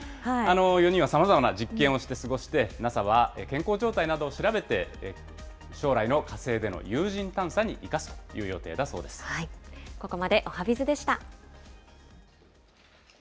４人はさまざまな実験をして過ごして、ＮＡＳＡは健康状態などを調べて、将来の火星での有人探査に生かすという予定だそうでここまでおはＢｉｚでした。